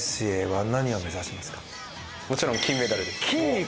もちろん金メダルです。